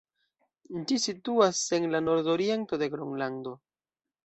Ĝi situas en la nord-oriento de Gronlando.